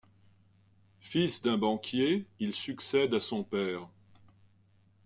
Fils d'un banquier, il succède à son père.